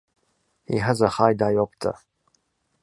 He has a high diopter.